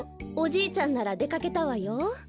おじいちゃんならでかけたわよ。